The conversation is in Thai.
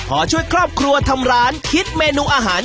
ขอช่วยครอบครัวทำร้านคิดเมนูอาหาร